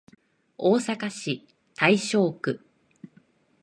大阪市大正区